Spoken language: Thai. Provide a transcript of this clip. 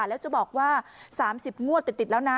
แล้วจะบอกว่า๓๐งวดติดแล้วนะ